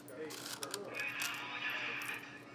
为醛糖的醛基被氧化为羧基而成。